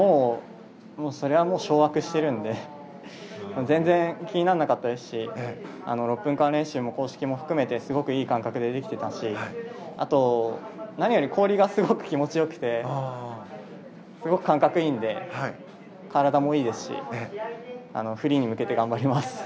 それはもう掌握してるので全然気にならなかったですし６分間練習も公式も含めてすごくいい感覚でできていたしあと何より氷がすごく気持ち良くてすごく感覚がいいので体もいいですしフリーに向けて頑張ります。